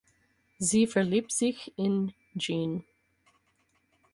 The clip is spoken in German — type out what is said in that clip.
Sie verliebt sich in Jean.